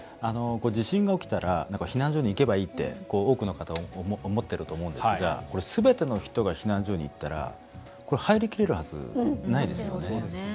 地震が起きたら避難所に行けばいいって多くの方、思っていると思うんですがすべての人が避難所に行ったら入りきれるはずないですよね。